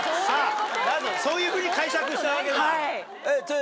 なるほどそういうふうに解釈したわけだ。